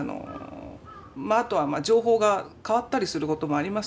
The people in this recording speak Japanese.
あとは情報が変わったりすることもありますね。